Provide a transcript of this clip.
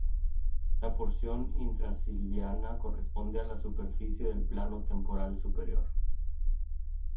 La porción intra-silviana corresponde a la superficie del plano temporal superior.